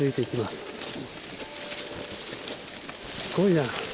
すごいな。